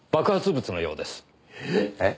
えっ！？